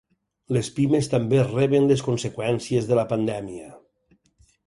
Les pimes també reben les conseqüències de la pandèmia.